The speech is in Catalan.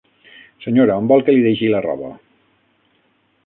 Senyora, on vol que li deixi la roba?